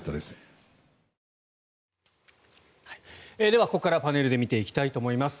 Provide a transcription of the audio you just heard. では、ここからパネルで見ていきたいと思います。